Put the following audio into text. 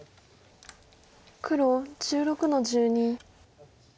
黒１６の十二。